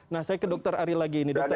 nah saya ke dokter ari lagi ini dokter